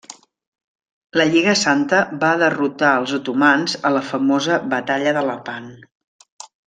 La Lliga Santa va derrotar els otomans a la famosa Batalla de Lepant.